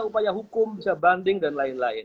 upaya hukum bisa banding dan lain lain